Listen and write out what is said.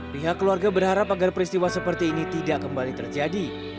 pihak keluarga berharap agar peristiwa seperti ini tidak kembali terjadi